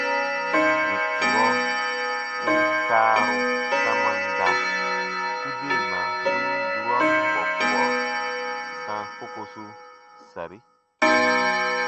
Yè kurɔ u kaaru tamam da, u deema win durɔn bɔkuɔ sãa kokosu sari.